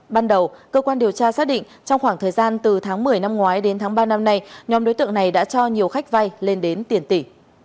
ban đầu cơ quan điều tra xác định trong khoảng thời gian từ tháng một mươi năm ngoái đến tháng ba năm nay nhóm đối tượng này đã cho nhiều khách vay lên đến tiền tỷ